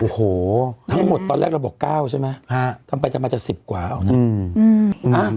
โอ้โหทั้งหมดตอนแรกเราบอกเก้าใช่ไหมฮะทำไปจะมาจากสิบกว่าอ่ะอืมอืม